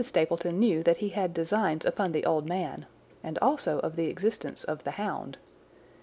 Stapleton knew that he had designs upon the old man, and also of the existence of the hound.